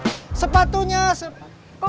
sepatunya sepatunya silakan kakak